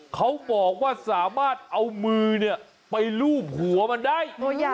เขาบอกว่าสามารถเอามือไปลูบหัวมันได้